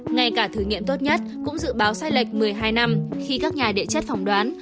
ngay cả thử nghiệm tốt nhất cũng dự báo sai lệch một mươi hai năm khi các nhà địa chất phỏng đoán